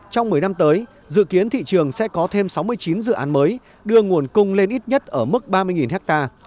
trong một mươi năm tới dự kiến thị trường sẽ có thêm sáu mươi chín dự án mới đưa nguồn cung lên ít nhất ở mức ba mươi ha